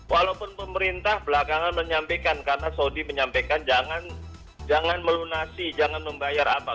walaupun pemerintah belakangan menyampaikan karena saudi menyampaikan jangan melunasi jangan membayar apa